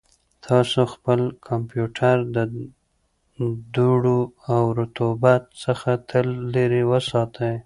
تاسو خپل کمپیوټر د دوړو او رطوبت څخه تل لرې وساتئ.